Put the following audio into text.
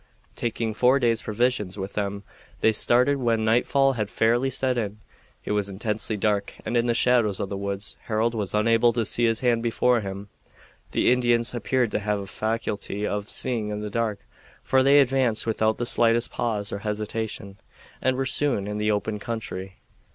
Taking four days' provisions with them they started when nightfall had fairly set in. It was intensely dark, and in the shadows of the woods Harold was unable to see his hand before him. The Indians appeared to have a faculty of seeing in the dark, for they advanced without the slightest pause or hesitation and were soon in the open country.